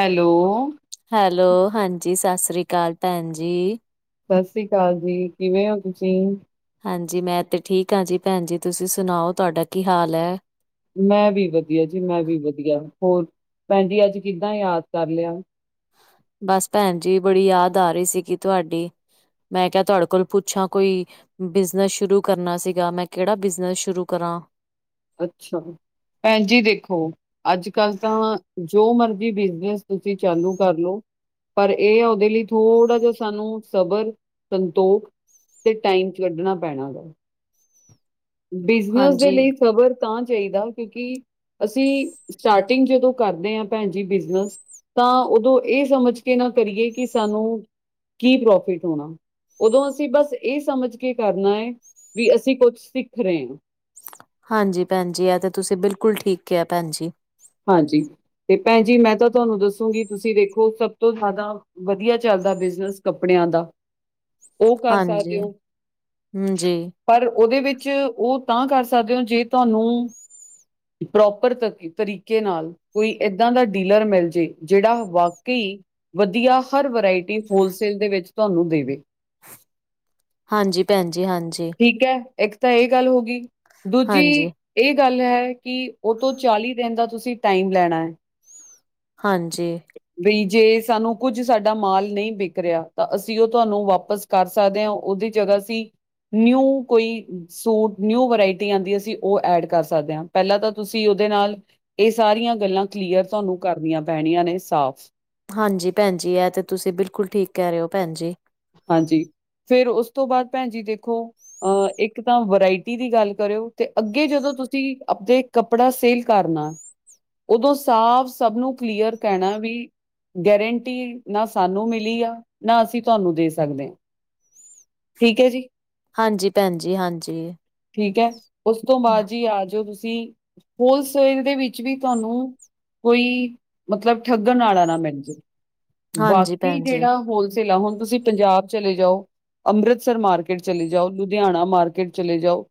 Hello. Hello ਹਾਂਜੀ ਸਸਸ੍ਰੀ ਕਾਲ ਪੈਨ ਜੀ। ਸਸ ਸ਼੍ਰੀ ਕਾਲ ਜੀ ਕਿਵੇਂ ਔ ਤੁਸੀਂ। ਹਾਂਜੀ ਮੈਂ ਤੇ ਠੀਕ ਆ ਜੀ ਪੈਨ ਜੀ ਤੁਸੀਂ ਸੁਨਾਔ ਤੁਹਾਡਾ ਕੀ ਹਾਲ ਐ। ਮੈਂ ਵੀ ਵਧੀਆ ਜੀ ਮੈਂ ਵੀ ਵਧੀਆ ਹੋਰ ਪੈਨ ਜੀ ਅੱਜ ਕਿੱਦਾਂ ਯਾਦ ਕਰ ਲਯਾ। ਬਸ ਪੈਨ ਜੀ ਬੜੀ ਯਾਦ ਆ ਹੀ ਸੀਗੀ ਤੁਆਡੀ। ਮੈਂ ਕਿਹਾ ਤੁਹਾਡੇ ਕੋਲ ਪੁੱਛਾਂ ਕੋਈ। ਬਿਜਨਸ ਸ਼ੁਰੂ ਕਰਨਾ ਸੀਗਾ ਮੈਂ ਕੇੜਾ ਬਿਜਨਸ ਸ਼ੁਰੂ ਕਰਾਂ। ਅੱਛਾ, ਪੈਨ ਜੀ ਦੇਖੋ। ਅੱਜ- ਕੱਲ ਤਾਂ ਜੋ ਮਰਜ਼ੀ ਬਿਜਨਸ ਤੁਸੀਂ ਚਾਲੂ ਕਰ ਲੋ। ਪਰ ਏਹ ਆ ਔਦੇ ਲਈ ਥੋੜ੍ਹਾ ਜਿਹਾ ਸਾਨੂੰ ਸਬਰ ਸੰਤੋਖ ਤੇ ਟਾਈਮ ਲੱਗਨਾਂ ਪੈਣਾ ਵਾ। ਬਿਜਨਸ ਦੇ ਹਾਂਜੀ ਲਈ ਸੱਬਰ। ਤਾਂ ਚਾਹੀਦਾ ਕਿਉਂਕਿ ਅਸੀਂ ਸਟਾਰਟਿੰਗ ਜਦੋਂ ਕਰਦੇ ਆਂ ਪੈਨ ਜੀ ਬਿਜਨਸ। ਤਾਂ ਔਦੋਂ ਏਹ ਸਮਝ ਕੇ ਨਾ ਕਰੀਏ ਕਿ ਸਾਨੂੰ ਕੀ ਪ੍ਰੋਫਿਟ ਹੋਣਾ ਔਦੋਂ ਅਸੀਂ ਬਸ ਏਹ ਸਮਝ ਕੇ ਕਰਨਾ ਏ ਵੀ ਅਸੀਂ ਕੁਛ ਸਿੱਖ ਰਹੇ ਆਂ। ਹਾਂਜੀ ਪੈਨਜੀ ਐ ਤਾਂ ਤੁਸੀਂ ਬਿਲਕੁਲ ਠੀਕ ਕਿਹਾ ਪੈਨਜੀ। ਹਾਂਜੀ ਤੇ ਪੈ ਨ ਜੀ ਮੈਂ ਤਾਂ ਤੁਹਾਨੂੰ ਦੱਸੂੰਗੀ ਤੁਸੀਂ ਦੇੇਖੋ ਸਭ ਤੋਂ ਹਾਦਾ। ਵਧੀਆ ਚੱਲਦਾ ਬਿਜਨਸ ਕੱਪੜਿਆਂ ਦਾ। ਔਹ ਕਰ ਸਾਕਦੇ ਹਾਂਜੀ ਔ ਹਮ ਜੀ ਪਰ ਔਦੇ ਵਿੱਚ ਔ ਤਾਂ ਕਰ ਸਕਦੇ ਔ ਜੋ ਤੁਹਾਨੂੰ। ਪ੍ਰੋਪਰ ਤਰੀਕੇ ਨਾਲ। ਕੋਈ ਏਦਾਂ ਦਾ ਡੀਲਰ ਮਿਲ ਜਯੇ ਜੇੜਾ ਵਾਕੈ ਈ। ਵਧੀਆ ਹਰ ਵਰਾਇਟੀ ਹੋਲਸੇਲ ਦੇ ਵਿੱਚ ਤੁਹਾਨੂੰ ਦੇਵੇ। ਹਾਂਜੀ। ਭੈਣ ਜੀ ਹਾਂਜੀ ਠੀਕ ਐ, ਇੱਕ ਤਾਂ ਐਹ ਗੱਲ ਹੋ ਗਈ ਦੂਜੀ ਹਾਂਜੀ ਏਹ ਗੱਲ ਐ, ਕਿ ਔਤੋਂ ਚਾਲੀ ਦਿਨ ਦਾ ਤੁਸੀਂ ਟਾਈਮ ਲੈਨਾ ਐ। ਹਾਂਜੀ। ਬਈ ਜੇ ਸਾਨੂੰ ਕੁੱਝ ਸਾਡਾ ਮਾਲ ਨਈ ਵਿਕਰਿਆ ਤਾਂ ਅਸੀਂ ਉਹ ਤੁਹਾਨੂੰ ਵਾਪਸ ਕਰ ਸਕਦੇ ਹਾਂ ਉਹਦੀ ਜਗ੍ਹਾ ਸੀ ਨਿਊ ਕੋਈ ਸੂਟ ਨਿਊ ਵਰਾਇਟੀ ਆਉਂਦੀ ਅਸੀਂ ਉਹ ਐਡ ਕਰ ਸਕਦੇ ਹਾਂ ਪਹਿਲਾਂ ਤਾਂ ਤੁਸੀਂ ਉਹਦੇ ਨਾਲ ਇਹ ਸਾਰੀਆਂ ਗੱਲਾਂ ਕਲੀਅਰ ਤੁਹਾਨੂੰ ਕਰਨੀਆਂ ਪੈਣੀਆਂ ਨੇ ਸਾਫ਼। ਹਾਂਜੀ ਪੈਨਜੀ ਇਹ ਤੇ ਤੁਸੀਂ ਬਿਲਕੁਲ ਠੀਕ ਕਹ ਰਹੇ ਹੋ ਪੈਨਜੀ। ਹਾਂਜੀ ਫੇਰ ਓਸ ਤੋਂ ਬਾਦ ਪੈਨਜੀ ਦੇਖੋ ਅਹ ਇੱਕ ਤਾਂ ਵਰਾਇਟੀ ਦੀ ਗੱਲ ਕਰਿਓ ਤੇ ਅੱਗੇ ਜਦੋਂ ਤੁਸੀਂ ਆਪਦੇ ਕੱਪੜਾ ਸੇਲ ਕਰਨਾ ਉਦੋਂ ਸਾਫ਼ ਸਭ ਨੂੰ ਕਲੀਅਰ ਕਹਿਣਾ ਵੀ ਹੈਰੰਟੀ ਨਾ ਸਾਨੂੰ ਮਿਲੀ ਆ ਨਾ ਅਸੀਂ ਤੁਹਾਨੂੰ ਦੇ ਸਕ ਸਕਦੇ, ਠੀਕ ਹੈ ਜੀ। ਹਾਂਜੀ ਭੈਣ ਜੀ ਹਾਂਜੀ ਠੀਕ ਹੈ, ਉਸ ਤੋਂ ਬਾਅਦ ਜੀ ਆ ਜਾਓ ਤੁਸੀਂ ਹੋਲਸੇਲ ਦੇ ਵਿੱਚ ਵੀ ਤੁਹਾਨੂੰ ਕੋਈ ਮਤਲਬ ਠੱਗਣ ਵਾਲਾ ਨਾ ਮਿਲ ਜੇ, ਹਾਂਜੀ ਬਾਕੀ ਭੈਣ ਜੀ ਜਿਹੜਾ ਹੋਲ ਚੱਲ ਆ, ਹੁਣ ਤੁਸੀਂ ਪੰਜਾਬ ਚਲੇ ਜਾਓ, ਅੰਮ੍ਰਿਤਸਰ ਮਾਰਕੀਟ ਚਲੇ ਜਾਓ, ਲੁਧਿਆਣਾ ਮਾਰਕੀਟ ਚਲੇ ਜਾਓ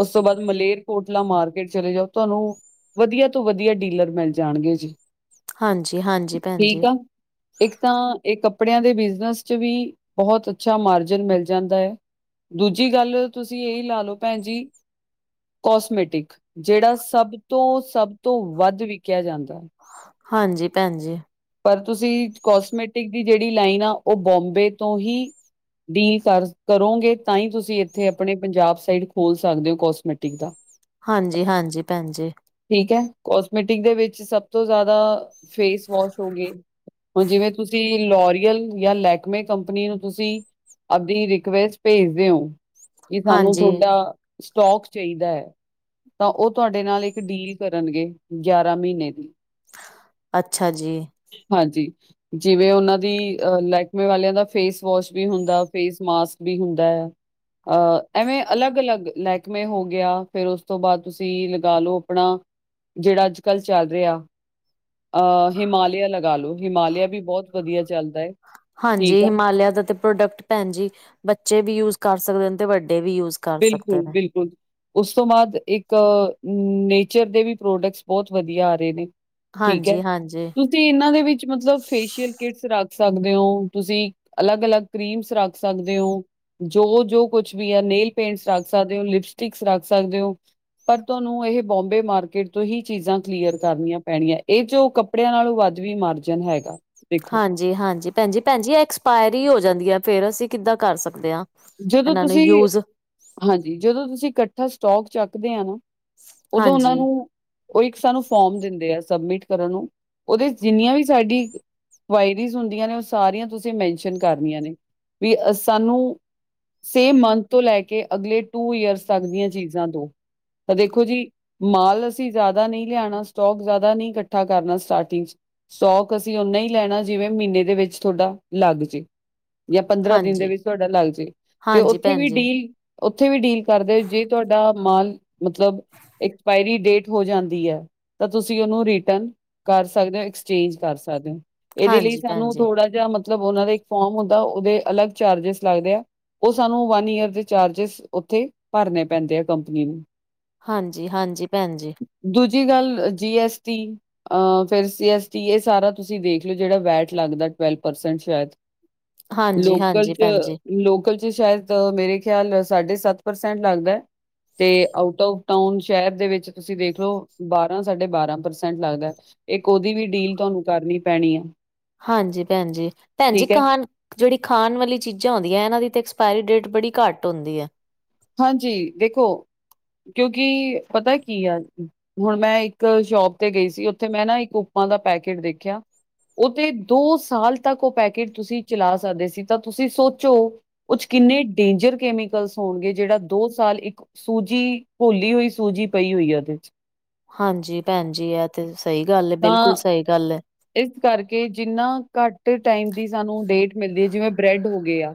ਉਸ ਤੋਂ ਬਾਅਦ ਮਲੇਰਕੋਟਲਾ ਮਾਰਕੀਟ ਚਲੇ ਜਾਓ, ਤੁਹਾਨੂੰ ਵਧੀਆ ਤੋਂ ਵਧੀਆ ਡੀਲਰ ਮਿਲ ਜਾਣਗੇ ਜੀ। ਹਾਂਜੀ, ਹਾਂਜੀ ਭੈਣ ਜੀ। ਠੀਕ ਆ ਇੱਕ ਤਾਂ ਇਹ ਕੱਪੜਿਆਂ ਦੇ ਬਿਜਨਸ ਚ ਵੀ ਬਹੁਤ ਅੱਛਾ ਮਾਰਜਨ ਮਿਲ ਜਾਂਦਾ ਹੈ। ਦੂਜੀ ਗੱਲ ਤੁਸੀਂ ਇਹੀ ਲਾ ਲਓ ਭੈਣ ਜੀ। ਕੋਸਮੈਟਿਕ ਜਿਹੜਾ ਸਭ ਤੋਂ ਸਭ ਤੋਂ ਵੱਧ ਵਿਕਿਆ ਜਾਂਦਾ ਹੈ। ਹਾਂਜੀ, ਭੈਣ ਜੀ। ਪਰ ਤੁਸੀਂ ਕੋਸਮੈਟਿਕ ਦੀ ਜਿਹੜੀ ਲਾਈਨ ਆ, ਉਹ ਬੋਂਬੇ ਤੋਂ ਹੀ ਡੀਲ ਕਰ ਕਰੋਗੇ, ਤਾਂ ਹੀ ਤੁਸੀਂ ਇੱਥੇ ਆਪਣੇ ਪੰਜਾਬ ਸਾਈਡ ਖੋਲ ਸਕਦੇ ਹੋ ਕੋਸਮੈਟਿਕ ਦਾ। ਹਾਂਜੀ, ਹਾਂਜੀ ਭੈਣ ਜੀ। ਠੀਕ ਹੈ, ਕੋਸਮੈਟਿਕ ਦੇ ਵਿੱਚ ਸਭ ਤੋਂ ਜ਼ਿਆਦਾ ਫੇਸ ਵੋਸ਼ ਹੋਗੇ, ਹੁਣ ਜਿਵੇਂ ਤੁਸੀਂ ਲੋਰੀਅਲ ਜਾਂ ਲੈਕਮੇ ਕੰਪਨੀ ਨੂੰ ਤੁਸੀਂ ਆਪਦੀ ਰਿਕੁੈਸਟ ਭੇਜਦੇ ਹੋ ਕਿ, ਸਾਨੂੰ ਹਾਂਜੀ ਤੁਥਹਾਡਾ ਸਟੋਕ ਚਾਹੀਦਾ ਹੈ। ਤਾਂ ਉਹ ਤੁਹਾਡੇ ਨਾਲ ਇੱਕ ਡੀਲ ਕਰਨਗੇ ਗਿਆਰਾਂ ਮਹੀਨੇ ਦੀ। ਅੱਛਾ ਜੀ। ਹਾਂਜੀ। ਜਿਵੇਂ ਉਹਨਾਂ ਦੀ ਲੈਹਕਮੀ ਵਾਲਿਆਂ ਦਾ ਫੇਸ ਵੋਸ਼ ਵੀ ਹੁੰਦਾ, ਫੇਸ ਮਾਸਕ ਵੀ ਹੁੰਦਾ ਆ ਅਹ ਐਵੇਂ ਅਲੱਗ, ਅਲੱਗ ਲਹਿਕਮੇ ਹੋ ਗਿਆ, ਫੇਰ ਉਸ ਤੋਂ ਬਾਅਦ ਤੁਸੀਂ ਲਗਾ ਲਓ ਆਪਣਾ ਜਿਹੜਾ ਅੱਜ, ਕੱਲ੍ਹ ਚੱਲ ਰਿਹਾ ਅਹ ਹਿਮਾਲਿਆ ਲਗਾ ਲੋ, ਹਿਮਾਲਿਆ ਵੀ ਬਹੁਤ ਵਧੀਆ ਚੱਲਦਾ ਹੈ। ਹਾਂਜੀ, ਠੀਕ ਆ ਹਿਮਾਲਿਆ ਦਾ ਤੇ ਪ੍ਰੋਡਕਟ ਭੈਣ ਜੀ ਬੱਚੇ ਵੀ ਯੂਜ ਕਰ ਸਕਦੇ ਤੇ ਵੱਡੇ ਵੀ ਯੂਜ ਕਰ ਸਕਦੇ ਬਿਲਕੁਲ, ਨੇ ਬਿਲਕੁਲ। ਉਸ ਤੋਂ ਬਾਅਦ ਇੱਕ ਨੇਚਰ ਦੇ ਵੀ ਪ੍ਰੋਡਕਟਸ ਬਹੁਤ ਵਧੀਆ ਆ ਰਹੇ ਨੇ ਠੀਕ ਹੈ, ਹਾਂਜੀ ਹਾਂਜੀ ਤੁ ਤੁਸੀਂ ਇਹਨਾਂ ਦੇ ਵਿੱਚ ਮਤਲਬ ਫੇਸ਼ੀਅਲ ਕਿਟਸ ਰੱਖ ਸਕਦੇ ਹੋ, ਤੁਸੀਂ ਅਲੱਗ- ਅਲੱਗ ਕਰੀਮਸ ਰੱਖ ਸਕਦੇ ਹੋ, ਜੋ -ਜੋ ਕੁਛ ਵੀ ਹੈ ਨੇਲ ਪੇਟਸ ਰੱਖ ਸਕਦੇ ਹੋ, ਲਿਪਸਟਿਕਸ ਰੱਖ ਸਕਦੇ ਹੋ। ਪਰ ਤੁਹਾਨੂੰ ਇਹ ਬੋਂਬੇ ਮਾਰਕੀਟ ਤੋਂ ਹੀ ਚੀਜ਼ਾਂ ਕਲੀਅਰ ਕਰਨੀਆਂ ਪੈਣੀਆਂ, ਇਹ ਜੋ ਕਮ ਕੱਪੜਿਆਂ ਨਾਲੋਂ ਵੱਧ ਵੀ ਮਾਰਜਨ ਹੈਗਾ। ਦੇਖੋ। ਹਾਂਜੀ, ਹਾਂਜੀ ਭੈਣਜੀ, ਭੈਣਜੀ ਐਕਸਪਾਇਰ ਹੋ ਜਾਂਦੀ ਆ ਫੇਰ ਅਸੀਂ ਕਿੱਦਾਂ ਕਰ ਸਕਦੇ ਹਾਂ। ਜਦੋਂ ਇਹਨਾਂ ਨੂੰ ਤੁਸੀਂ, ਯੂਜ ਹਾਂਜੀ ਜਦੋਂ ਤੁਸੀਂ ਇਕੱਠਾ ਸਟੋਕ ਚੱਕਦੇ ਆ ਨਾ ਉਦੋਂ ਉਹਨਾਂ ਹਾਂਜੀ ਨੂੰ ਉਹ ਇੱਕ ਸਾਨੂੰ ਫੋਮ ਦਿੰਦੇ ਆ ਸਬਮਿਟ ਕਰਨ ਨੂੰ, ਉਹਦੇ ਚ ਜਿੰਨੀਆਂ ਵੀ ਸਾਡੀ ਕੁਆਇਰੀ ਹੁੰਦੀਆਂ ਨੇ ਉਹ ਸਾਰੀਆਂ ਤੁਸੀਂ ਮੈਨਸ਼ਨ ਕਰਨੀਆਂ ਨੇ, ਵੀ ਸਾਨੂੰ ਸੇਮ ਮੰਥ ਤੋਂ ਲੈ ਕੇ ਅਗਲੇ ਟੂ ਈਅਰਸ ਤੱਕ ਦੀਆਂ ਚੀਜ਼ਾਂ ਦੋ, ਤਾਂ ਦੇਖੋ ਜੀ ਮਾਲ ਅਸੀਂ ਜ਼ਿਆਦਾ ਨਹੀਂ ਲਿਆਉਣਾ, ਸਟੋਕ ਜ਼ਿਆਦਾ ਨਹੀਂ ਇਕੱਠਾ ਕਰਨਾ ਸਟਾਰਟਿੰਗ ਚ। ਸਟੋਕ ਅਸੀਂ ਓਨਾ ਹੀ ਲੈਣਾ, ਜਿਵੇਂ ਮਹੀਨੇ ਦੇ ਵਿੱਚ ਤੁਹਾਡਾ ਲੱਗ ਜੇ। ਜਾਂ ਪੰਦਰਾਂ ਦਿਨ ਦੇ ਹਾਂਜੀ ਵਿੱਚ ਤੁਹਾਡਾ ਲੱਗ ਜੇ, ਤੇ ਹਾਂਜੀ ਉੱਥੇ ਭੈਣ ਵੀ ਜੀ ਡੀਲ ਉੱਥੇ ਵੀ ਡੀਲ ਕਰਦੇ ਜੇ ਤੁਹਾਡਾ ਮਾਲ ਮਤਲਬ ਐਕਸਪਾਇਰੀ ਡੇਟ ਹੋ ਜਾਂਦੀ ਆ। ਤਾਂ ਤੁਸੀਂ ਉਹਨੂੰ ਰਿਟਰਨ ਕਰ ਸਕਦੇ, ਐਕਸਚੇਂਜ ਕਰ ਸਕਦੇ ਓ। ਇਹਦੇ ਲਈ ਹਾਂਜੀ ਭੈਣ ਸਾਨੂੰ ਜੀ ਥੋੜ੍ਹਾ ਜਿਹਾ ਮਤਲਬ ਉਹਨਾਂ ਦਾ ਇੱਕ ਫੋਮ ਹੁੰਦਾ, ਉਹਦੇ ਅਲੱਗ ਚਾਰਜਿਸ ਲੱਗਦੇ ਆ। ਉਹ ਸਾਨੂੰ ਵਨ ਈਅਰ ਦੇ ਚਾਰਜਿਸ ਉੱਥੇ ਭਰਨੇ ਪੈਂਦੇ ਆ ਕੰਪਨੀ ਨੂੰ। ਹਾਂਜੀ ਹਾਂਜੀ ਭੈਣ ਜੀ। ਦੂਜੀ ਗੱਲ ਜੀ ਐਸ ਟੀ ਫਿਰ ਸੀ ਐਸ ਟੀ ਇਹ ਸਾਰਾ ਤੁਸੀਂ ਦੇਖ ਲਓ ਜਿਹੜਾ ਵੈਟ ਲੱਗਦਾ ਟਵੈਲਵ ਪ੍ਰਸੈਂਟ ਸ਼ਾਇਦ। ਹਾਂਜੀ ਲੋਕਲ ਹਾਂਜੀ ਚ ਭੈਣ ਜੀ ਲੋਕਲ ਚ ਸ਼ਾਇਦ ਮੇਰੇ ਖਿਆਲ ਸਾਢੇ ਸੱਤ ਪਰਸੈਂਟ ਲੱਗਦਾ ਐ। ਤੇ ਆਊਟ ਔਫ ਟਾਊਨ ਸ਼ਹਿਰ ਦੇ ਵਿੱਚ ਤੁਸੀਂ ਦੇਖ ਲੋ ਬਾਰਾਂ ਸਾਢੇ ਬਾਰਾਂ ਪ੍ਰਸੈਂਟ ਲੱਗਦਾ। ਇੱਕ ਉਹਦੀ ਵੀ ਡੀਲ ਤੁਹਾਨੂੰ ਕਰਨੀ ਪੈਣੀ ਆ। ਹਾਂਜੀ ਭੈਣ ਜੀ, ਭੈਣ ਜੀ ਠੀਕ ਹੈ ਕਹਾਣ ਜਿਹੜੀ ਖਾਣ ਵਾਲੀ ਚੀਜ਼ਾਂ ਹੁੰਦੀਆਂ ਐ, ਇਹਨਾਂ ਦੀ ਤਾਂ ਐਕਸਪਾਇਰੀ ਡੇਟ ਬੜੀ ਘੱਟ ਹੁੰਦੀ ਐ। ਹਾਂਜੀ ਦੇਖੋ, ਕਿਉਂਕਿ ਪਤਾ ਕੀ ਆ ਹੁਣ ਮੈਂ ਇੱਕ ਸ਼ੋਪ ਤੇ ਗਈ ਸੀ, ਉੱਥੇ ਮੈਂ ਨਾ ਇੱਕ ਉਪਵਾ ਦਾ ਪੈਕੇਟ ਦੇਖਿਆ। ਉਹ ਤੇ ਦੋ ਸਾਲ ਤੱਕ ਉਹ ਪੈਕੇਟ ਤੁਸੀਂ ਚਲਾ ਸਕਦੇ ਸੀ, ਤਾਂ ਤੁਸੀਂ ਸੋਚੋ ਉਹ ਚ ਕਿੰਨੇ ਡੇਂਜਰ ਕੈਮੀਕਲਸ ਹੋਣਗੇ। ਜਿਹੜਾ ਦੋ ਸਾਲ ਇੱਕ ਸੂਜੀ ਘੋਲੀ ਹੋਈ ਸੂਜੀ ਪਈ ਹੋਈ ਉਹਦੇ ਚ। ਹਾਂਜੀ ਭੈਣ ਜੀ ਐ ਤੇ ਸਹੀ ਗੱਲ ਐ, ਬਿਲਕੁਲ ਤਾਂ ਸਹੀ ਗੱਲ ਐ। ਇਸ ਕਰਕੇ ਜਿੰਨਾ ਘੱਟ ਟਾਈਮ ਦੀ ਸਾਨੂੰ ਡੇਟ ਮਿਲਦੀ, ਜਿਵੇਂ ਬ੍ਰੈਡ ਹੋ ਗਏ ਆ,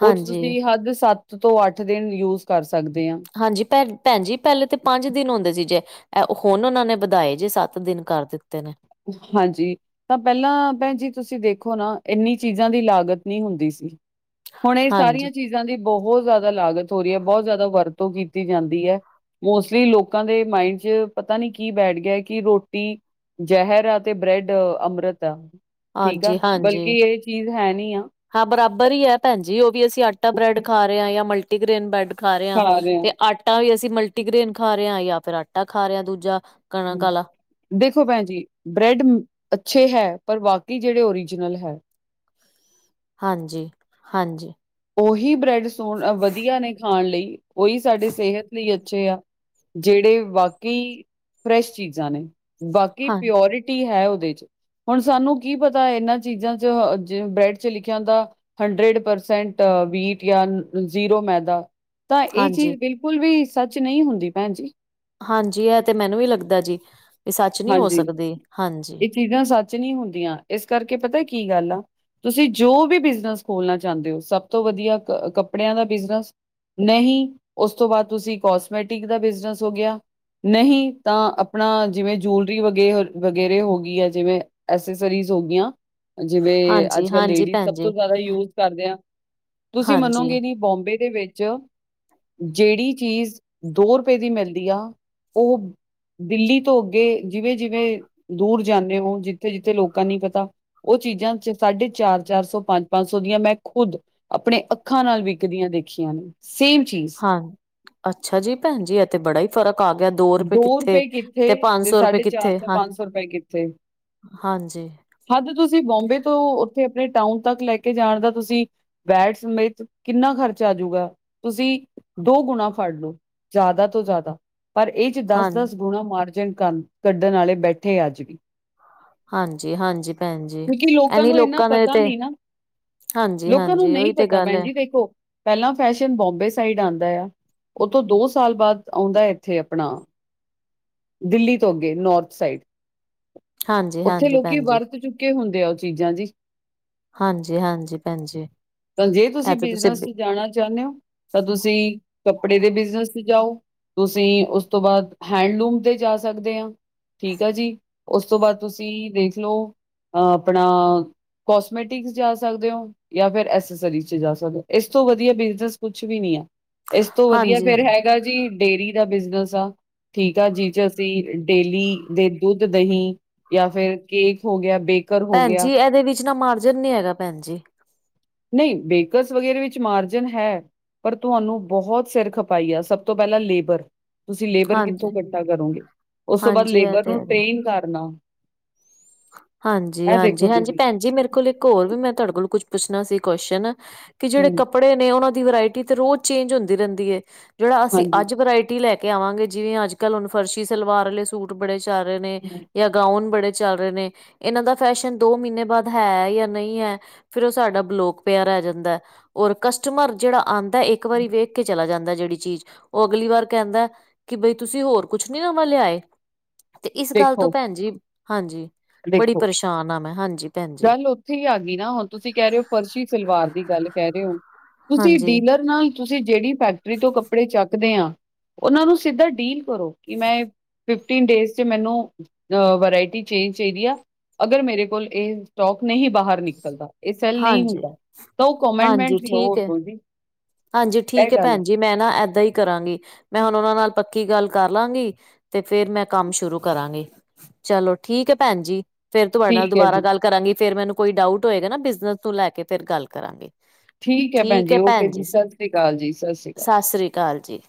ਉਹ ਚ ਹਾਂਜੀ, ਤੁਸੀਂ ਹੱਦ ਸੱਤ ਤੋਂ ਅੱਠ ਕਿਸ ਦਿਨ ਯੂਜ ਕਰ ਸਕਦੇ ਆ। ਹਾਂਜੀ ਭੈ ਭੈਣ ਜੀ ਪਹਿਲੇ ਤਾਂ ਪੰਜ ਦਿਨ ਹੁੰਦੇ ਸੀ ਜੇ ਐ ਹੁਣ ਉਹਨਾਂ ਨੇ ਵਧਾਏ ਜੇ ਸੱਤ ਦਿਨ ਕਰ ਦਿੱਤੇ ਨੇ। ਹਾਂਜੀ। ਤਾਂ ਪਹਿਲਾਂ ਭੈਣ ਜੀ ਤੁਸੀਂ ਦੇਖੋ ਨਾ ਐਨੀ ਚੀਜ਼ਾਂ ਦੀ ਲਾਗਤ ਨੀ ਹੁੰਦੀ ਸੀ। ਹੁਣ ਇਹ ਹਾਂਜੀ, ਸਾਰੀਆਂ ਚੀਜ਼ਾਂ ਦੀ ਬਹੁਤ ਜ਼ਿਆਦਾ ਲਾਗਤ ਹੋ ਰਹੀ ਆ, ਬਹੁਤ ਜ਼ਿਆਦਾ ਵਰਤੋਂ ਕੀਤੀ ਜਾਂਦੀ ਐ। ਮੋਸਟਲੀ ਲੋਕਾਂ ਦੇ ਮਾਇੰਡ ਚ ਪਤਾ ਨੀ ਕੀ ਬੈਠ ਗਿਆ ਕਿ ਰੋਟੀ ਜ਼ਹਿਰ ਆ ਤੇ ਬ੍ਰੈਡ ਅੰਮ੍ਰਿਤ ਆ, ਠੀਕ ਆ ਹਾਂਜੀ, ਹਾਂਜੀ। ਬਲਕਿ ਐ ਚੀਜ਼ ਹੈ ਨੀ ਆ। ਹਾਂ ਬਰਾਬਰ ਈ ਆ ਭੈਣ ਜੀ, ਉਹ ਵੀ ਅਸੀਂ ਆਟਾ ਬ੍ਰੈਡ ਖਾ ਰਹੇ ਆ ਜਾਂ ਮਲਟੀਗ੍ਰੇਨ ਬ੍ਰੈਡ ਖਾ ਰਹੇ ਆ ਤੇ ਆਟਾ ਵੀ ਅਸੀਂ ਮਲਟੀਗ੍ਰੇਨ ਖਾ ਰਹੇ ਆ ਜਾਂ ਫਿਰ ਆਟਾ ਖਾ ਰਹੇ ਆ ਦੂਜਾ। ਕਣਕ ਆਲਾ। ਹੂੰ। ਦੇਖੋ ਭੈਣ ਜੀ ਬ੍ਰੈਡ ਅੱਛੇ ਹੈ, ਪਰ ਬਾਕੀ ਜਿਹੜੇ ਓਰੀਜਨਲ ਹੈ। ਹਾਂਜੀ ਹਾਂਜੀ। ਉਹੀ ਬ੍ਰੈਡ ਸੋਹਣ ਵਧੀਆ ਨੇ ਖਾਣ ਲਈ, ਉਹੀ ਸਾਡੇ ਸਿਹਤ ਲਈ ਅੱਛੇ ਆ। ਜਿਹੜੇ ਬਾਕੀ ਫਰੈਸ਼ ਚੀਜ਼ਾਂ ਨੇ, ਬਾਕੀ ਹਾਂ, ਪਿਓਰ ਟੀ ਹੈ ਉਹਦੇ ਚ। ਹੁਣ ਸਾਨੂੰ ਕੀ ਪਤਾ ਇਹਨਾਂ ਚੀਜ਼ਾਂ ਚ ਜਿਵੇਂ ਬ੍ਰੈਡ ਚ ਲਿਖਿਆ ਹੁੰਦਾ ਹੰਡਰਡ ਪਰਸੈਂ ਟ ਵੀਟ ਜਾਂ ਜ਼ੀਰੋ ਮੈਦਾ ਤਾਂ ਇਹ ਚੀਜ਼ ਹਾਂਜੀ। ਬਿਲਕੁਲ ਬਿਲਕੁਲ ਵੀ ਸੱਚ ਨਹੀਂ ਹੁੰਦੀ ਭੈਣ ਜੀ। ਹਾਂਜੀ ਐ ਤੇ ਮੈਨੂੰ ਵੀ ਲੱਗਦਾ ਜੀ ਐ ਸੱਚ ਨਹੀਂ ਹੋ ਹਾਂਜੀ ਸਕਦੀ ਹਾਂਜੀ। ਇਹ ਚੀਜ਼ਾਂ ਸ ਨਹੀਂ ਹੁੰਦੀਆਂ, ਇਸ ਕਰਕੇ ਪਤਾ ਕੀ ਗੱਲ ਆ ਤੁਸੀ ਜੋ ਵੀ ਬਿਜਨਸ ਖੋਲਨਾ ਚਾਂਦੇ ਓ ਸਬ ਤੋ ਵਧੀਆ ਅ ਕੱਪੜਿਆਂ ਦਾ ਬਿਜਨਸ ਨਹੀ ਓਸ ਤੋਂ ਬਾਅਦ ਤੁਸੀ ਕੋਸਮੈਟਿਕ ਦਾ ਬਿਜਨਸ ਹੋ ਗਿਆ ਨਹੀ ਤਾਂ ਆਪਣਾ ਜਿਵੇਂ ਜਿਉਲਰੀ ਵਗੇ ਵਗੈਰੇ ਹੋ ਗੀ ਯਾ ਜਿਵੇਂ ਐਸੇਸਰੀਜ਼ ਹੋਗੀਆਂ ਜਿਵੇਂ ਹਾਂਜੀ ਅੱਜ ਕੱਲ ਹਾਂਜੀ ਲੇਡੀਜ਼ ਭੈਣ ਸਬ ਜੀ ਤੋਂ ਜਆਦਾ ਯੂਜ ਕਰਦੇ ਆਂ ਤੁਸੀ ਹਾਂਜੀ ਮੰਨੋਗੇ ਨੀ ਬੋਂਬੇ ਦੇ ਵੇੱਚ ਜੇੜੀ ਚੀਜ਼ ਦੋ ਰਪਏ ਦੀ ਮਿਲਦੀ ਆ ਓਹੋ ਦਿੱਲੀ ਤੋ ਅੱਗੇ ਜਿਵੇਂ ਜਿਵੇਂ ਦੂਰ ਜਾਨੇਂ ਹੋ ਜਿੱਥੇ- ਜਿੱਥੇ ਲੋਕਾਂ ਨੀ ਪਤਾ ਓ ਚੀਜਾਂ ਸਾਢੇ ਚਾਰ -ਚਾਰ ਸੌ, ਪੰਜ- ਪੰਜ ਸੌ ਦੀਆਂ ਮੈਂ ਖੁੱਦ ਆਪਣੇ ਅੱਖਾਂ ਨਾਲ ਵਿਕਦੀਆਂ ਦੇਖੀਆਂ ਨੇ ਸੇਮ ਚੀਜ਼ ਅਨ ਅੱਛਾ ਜੀ ਭੈਣ ਜੀ ਏ ਤੇ ਬੜਾ ਈ ਫ਼ਰਕ ਆ ਗਿਆ ਦੋ ਰਪਏ ਕਿੱਥੇ ਰੁਪਏ ਕਿੱਥੇ ਤੇ ਪੰਜ ਸੌ ਰੁਪਏ ਸਾਢੇ ਕਿੱਥੇ ਤੋਂ ਹਾਂ ਸੌ ਰੁਪਏ ਹਾਂਜੀ ਹਾਂ ਤੇ ਤੁਸੀ ਬੋਂਬੇ ਤੋਂ ਓਥੇ ਆਪਣੇ ਟਾਊਨ ਤੱਕ ਲੈ ਕੇ ਜਾਣ ਦਾ ਤੁਸੀ ਬੈਠ ਸਮੇਤ ਕਿੰਨਾ ਖਰਚਾ ਆਜੂਗਾ ਤੁਸੀ ਦੋ ਗੁਣਾ ਫੜ ਲੋ ਜਾਦਾ ਤੋ ਜਾਦਾ ਪਰ ਏਚ ਦਸ ਹਾਂ -ਦਸ ਗੁਣਾ ਮਾਰਜਨ ਕੰਨ ਕੱਢਣ ਆਲੇ ਬੈਠੇ ਆ ਅੱਜ ਵੀ ਹਾਂਜੀ- ਹਾਂਜੀ ਭੈਨ ਜੀ ਕਿਉਂਕਿ ਐਨੀ ਨੂੰ ਇੰਨਾ ਲੋਕਾਂ ਦੇ ਪਤਾ ਤੇ ਨਹੀਂ ਨਾ ਹਾਂਜੀ ਲੋਕਾਂ ਨੂੰ ਹਾਂਜੀ ਨਈ ਉਹੀ ਤੇ ਪਤਾ ਗੱਲ ਹੈ ਭੈਨਜੀ ਦੇੇਖੋ ਪੈਲਾਂ ਫੈਸ਼ਨ ਬੋਂਬੇ ਸਾਈਡ ਆਂਦਾ ਆ ਓਤੋਂ ਦੋ ਸਾਲ ਬਾਅਦ ਆਉਂਦਾ ਐ ਏਥੇ ਆਪਣਾ ਦਿੱਲੀ ਤੋ ਅੱਗੇ ਨੋਰਥ ਸਾਈਡ ਹਾਂਜੀ ਉੱਥੇ ਹਾਂਜੀ ਲੋਕੀ ਭੈਣ ਜੀ ਵਰਤ ਚੁੱਕੇ ਹੁੰਦੇ ਆ ਓ ਚੀਜਾਂ ਜੀ ਹਾਂਜੀ ਹਾਂਜੀ ਭੈਣ ਜੀ ਤਾਂ ਜੇ ਤੁਸੀ ਇਹ ਤੇ ਤੁਸੀਂ ਬਿਜਨਸ ਬ- ਚ ਜਾਣਾ ਚਾਨੇਂ ਓ ਤਾਂ ਤੁਸੀ ਕੱਪੜੇ ਦੇ ਬਿਜਨਸ ਤੇ ਜਾਓ ਅਸੀਂ ਉਸ ਤੋ ਬਾਅਦ ਹੈਂਡਲੂਮ ਤੇ ਜਾ ਸਕਦੇ ਆਂ ਠੀਕ ਆ ਜੀ ਓਸ ਤੋ ਬਾਅਦ ਤੁਸੀਂ ਦੇਖ ਲੋ ਅ ਆਪਣਾ ਕੋਸਮੈਟਿਕ ਸ ਜਾ ਸਕਦੇ ਓਂ ਯਾ ਫੇਰ ਐਸੇਸਰੀ ਚ ਜਾ ਸਕਦੇ ਓ ਏਸ ਤੋ ਵਦੀਆ ਬਿਜਨਸ ਕੁਛ ਵੀ ਨੀ ਐ ਏਸ ਤੋ ਵਦੀਆ ਹਾਂਜੀ ਫੇਰ ਹੈਗਾ ਜੀ ਡੇਅਰੀ ਦਾ ਬਿਜਨਸ ਆ ਠੀਕ ਆ ਜਿਚ ਅਸੀ ਡੇਲੀ ਦੇ ਦੁੱਧ ਦਹੀਂ ਯਾ ਫੇਰ ਕੇਕ ਹੋ ਗਿਆ ਬੇਕ ਭੈਨਜੀ ਏਦੇ ਵਿੱਚ ਨਾ ਮਾਰਜਨ ਨੀ ਹੈਗਾ ਭੈਨਜੀ ਨਈ ਬੇਕਰਸ ਵਗੈਰੇ ਵਿੱਚ ਮਾਰਜਨ ਹੈ ਪਰ ਤੁਹਾਨੂੰ ਬਹੁਤ ਸਿਰ ਖਪਾਈ ਆ ਸਬ ਤੋਂ ਪੈਲਾਂ ਲੇਬਰ ਤੁਸੀ ਲੇਬਰ ਕਿੱਥੋਂ ਹਾਂਜੀ ਕੱਠਾ ਕਰੋਗੇ ਓਸ ਤੋ ਬਾਅਦ ਹਾਂਜੀ ਇਹ ਲੇਬਰ ਤੇ ਨੂੰ ਹੈਗੇ ਟ੍ਰੇਨ ਕਰਨਾ ਹਾਂਜੀ ਇਹ -ਹਾਂਜੀ ਦੇਖੋ -ਹਾਂਜੀ ਤੁਸੀਂ ਭੈਨ ਜੀ ਮੇਰੇ ਕੋਲ ਇੱਕ ਹੋਰ ਵੀ ਮੈਂ ਤਾਡੇ ਕੋਲ ਕੁਛ ਪੁੱਛਣਾ ਸੀ ਕੋਸ਼ਚਨ ਕਿ ਜੇੜੇ ਹੂੰ ਕੱਪੜੇ ਨੇ ਓਨਾਂ ਦੀ ਵਰਾਇਟੀ ਤੇ ਰੋਜ ਚੇਂਜ ਹੁੰਦੀ ਰੈਂਦੀ ਏ ਜੇੜਾ ਅਸੀ ਹਾਂਜੀ ਹੂੰ, ਅੱਜ ਵਰਾਇਟੀ ਲੈ ਕੇ ਆਵਾਂਗੇ ਜਿਵੇਂ ਅੱਜ ਕੱਲ ਹੁਨ ਫਰਸ਼ੀ ਸਲਵਾਰ ਆਲੇ ਸੂਟ ਬੜੇ ਚੱਲ ਰੇ ਨੇ ਯਾ ਗਾਊਨ ਬੜੇ ਚੱਲ ਨੇ ਏਨਾਂ ਦਾ ਫੈਸ਼ਨ ਦੋ ਮੀਨੇ ਬਾਅਦ ਹੈ ਯਾ ਨਈ ਹੈ ਫਿਰ ਓ ਸਾਡਾ ਬਲੋਕ ਪਿਆ ਰੈ ਜਾਂਦਾ ਏ ਔਰ ਕਸਟਮਰ ਜੇੜਾ ਆਂਦੈ ਇੱਕ ਹੂੰ। ਵਾਰੀ ਵੇਖ ਕੇ ਚਲਾ ਜਾਂਦਾ ਜੇੜੀ ਚੀਜ ਓ ਅਗਲੀ ਵਾਰ ਕੈਂਦਾ ਕਿ ਬਈ ਤੁਸੀ ਹੋਰ ਕੁਛ ਨੀ ਨਵਾਂ ਲਿਆਏ? ਤੇ ਇਸ ਗੱਲ ਤੋ ਦੇਖੋ ਭੈਨਜੀ, ਹਾਂਜੀ ਬੜੀ ਦੇਖੋ ਪਰੇਸ਼ਾਨ ਆਂ ਮੈਂ ਹਾਂਜੀ। ਭੈਣ ਜੀ ਗੱਲ ਓਥੇ ਈ ਆ ਗੀ ਨਾ ਹੁਣ ਤੁਸੀ ਕੈ ਰੇ ਓ ਫਰਸ਼ੀ ਸਲਵਾਰ ਦੀ ਗੱਲ ਕੈ ਰੇ ਓ ਤੁਸੀ ਹਾਂਜੀ ਡੀਲਰ ਨਾਲ ਤੁਸੀ ਜੇੜੀ ਫੈਕਟਰੀ ਤੋਂ ਕੱਪੜੇ ਚੱਕ ਦੇ ਆਂ ਓਨਾਂ ਨੂੰ ਸਿੱਧਾ ਡੀਲ ਕਰੋ ਕਿ ਮੈਂ ਏ ਫਿਫਟੀਨ ਡੇਜ਼ ਚ ਮੈਨੂੰ ਅ ਵਰਾਇਟੀ ਚੇਂਜ ਚਾਹੀਦੀ ਆ ਅਗਰ ਮੇਰੇ ਕੋਲ ਇਹ ਸਟੋਕ ਨਹੀਂ ਬਾਹਰ ਨਿਕਲਦਾ ਇਹ ਸੈੱਲ ਨਹੀਂ ਹਾਂਜੀ ਹੁੰਦਾ ਤਾਂ ਉਹ ਹਾਂਜੀ ਕੋਮੈਂਟਮੈਂਟ ਲਓ ਠੀਕ ਹੈ ਉਥੋਂ ਦੀ ਹਾਂਜੀ ਐਹ ਠੀਕ ਹੈ ਗੱਲ ਐ ਭੈਣ ਜੀ ਮੈਂ ਨਾ ਐਦਾਂ ਹੀ ਕਰਾਂਗੀ ਮੈਂ ਹੁਣ ਉਹਨਾਂ ਨਾਲ ਪੱਕੀ ਗੱਲ ਕਰ ਲਾਂਗੀ ਤੇ ਫੇਰ ਮੈਂ ਕੰਮ ਸ਼ੁਰੂ ਕਰਾਂਗੀ ਚਲੋ ਠੀਕ ਐ ਭੈਣ ਜੀ ਫੇਰ ਤੁਹਾਡੇ ਨਾਲ ਠੀਕ ਹੈ ਦੁਬਾਰਾ ਜੀ ਗੱਲ ਕਰਾਂਗੀ ਫੇਰ ਮੈਨੂੰ ਕੋਈ ਡਾਊਟ ਹੋਏਗਾ ਨਾ ਬਿਜਨਸ ਨੂੰ ਲੈ ਕੇ ਫੇਰ ਗੱਲ ਕਰਾਂਗੀ। ਹੈ ਠੀਕ ਐ ਓਕੇ ਭੈਣ ਜੀ ਸਤਿ ਸ਼੍ਰੀ ਅਕਾਲ ਜੀ ਸਤਿ ਸ਼੍ਰੀ ਅਕਾਲ ਸਸ ਸ੍ਰੀ ਅਕਾਲ ਜੀ